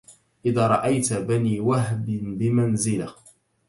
إذا رأيت بني وهب بمنزلة